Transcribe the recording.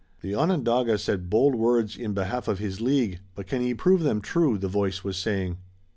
"The Onondaga said bold words in behalf of his league, but can he prove them true?" the voice was saying.